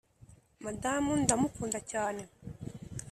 madamu ndamukunda cyane,